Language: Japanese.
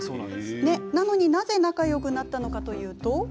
なのになんで仲よくなったかというと。